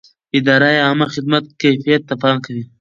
اداره د عامه خدمت کیفیت ته پام کوي.